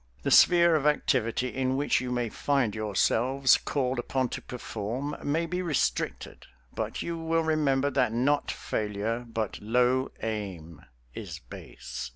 The sphere of activity in which you may find yourselves called upon to perform may be restricted, but you will remember that not failure but low aim is base.